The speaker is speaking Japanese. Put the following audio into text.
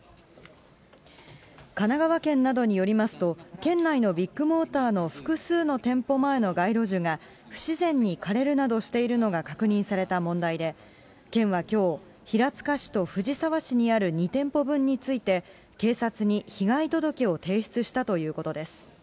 神奈川県などによりますと、県内のビッグモーターの複数の店舗前の街路樹が、不自然に枯れるなどしているのが確認された問題で、県はきょう、平塚市と藤沢市にある２店舗分について、警察に被害届を提出したということです。